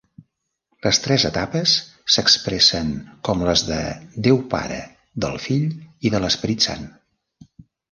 Les tres etapes s'expressen com les de Déu Pare, del Fill i de l'Esperit Sant.